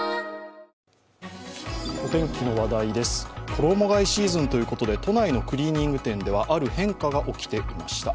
衣がえシーズンということで都内のクリーニング店ではある変化が起きていました。